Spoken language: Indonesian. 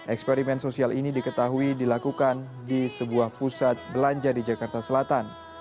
eksperimen sosial ini diketahui dilakukan di sebuah pusat belanja di jakarta selatan